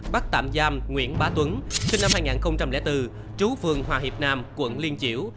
bắt tạm giam nguyễn bá tuấn sinh năm hai nghìn bốn trú phường hòa hiệp nam quận liên triểu